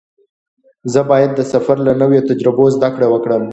زه باید د سفر له نویو تجربو زده کړه وکړم.